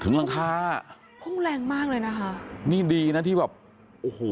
หลังคาพุ่งแรงมากเลยนะคะนี่ดีนะที่แบบโอ้โห